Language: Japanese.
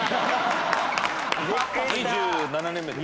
２７年目です。